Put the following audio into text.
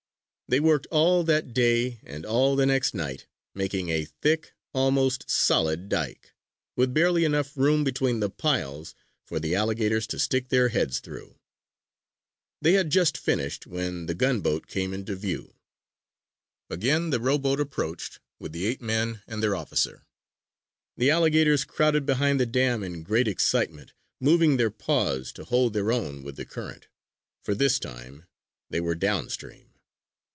They worked all that day and all the next night, making a thick, almost solid dike, with barely enough room between the piles for the alligators to stick their heads through. They had just finished when the gunboat came into view. Again the rowboat approached with the eight men and their officer. The alligators crowded behind the dam in great excitement, moving their paws to hold their own with the current; for this time, they were downstream.